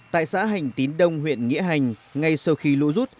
tại xã hành tín đông huyện nghĩa hành ngay sau khi lũ rút